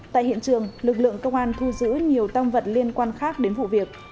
tại hiện trường lực lượng công an thu giữ nhiều tăng vật liên quan khác đến vụ việc